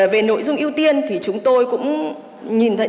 về nội dung ưu tiên thì chúng tôi cũng nhìn nhận